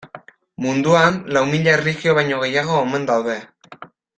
Munduan lau mila erlijio baino gehiago omen daude.